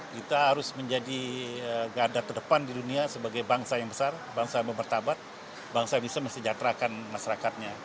kita harus menjadi keadaan terdepan di dunia sebagai bangsa yang besar bangsa yang mempertabat bangsa yang bisa mesejaterakan masyarakatnya